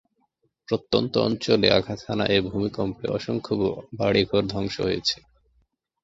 প্রত্যন্ত অঞ্চলে আঘাত হানা এ ভূমিকম্পে অসংখ্য বাড়িঘর ধ্বংস হয়েছে।